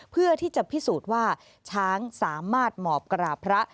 เพื่อที่จะพิสูจน์ว่าช้างสามารถหมอบกราบพระ